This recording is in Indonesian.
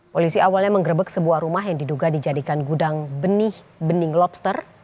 polisi awalnya menggerebek sebuah rumah yang diduga dijadikan gudang benih bening lobster